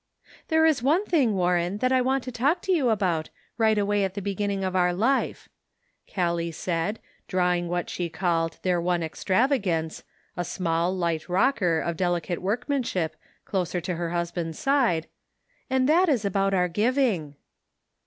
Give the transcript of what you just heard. " There is one thing, Warren, that I want to talk to you about, right away at the beginning of our life," Gallic said, drawing what she called their one extravagance, a small, light rocker, of delicate workmanship, closer to her husband's side; "and that is about our giving."